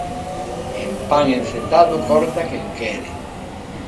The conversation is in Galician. En pan encetado corta quen quere